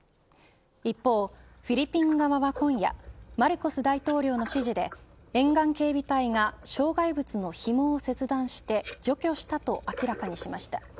一方、フィリピン側は今夜マルコス大統領の指示で沿岸警備隊が障害物のひもを切断して除去したと明らかにしました。